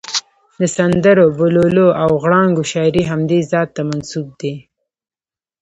د سندرو، بوللو او غړانګو شاعري همدې ذات ته منسوب دي.